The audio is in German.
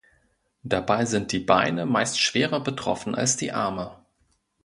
Dabei sind die Beine meist schwerer betroffen als die Arme.